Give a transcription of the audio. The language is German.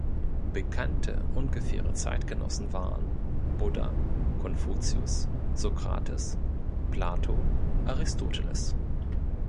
Bekannte ungefähre Zeitgenossen waren: Buddha, Konfuzius, Sokrates, Plato, Aristoteles.